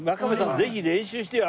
ぜひ練習してよ。